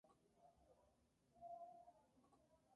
Hay contradicciones entre estas investigaciones.